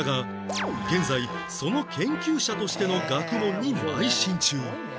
現在その研究者としての学問に邁進中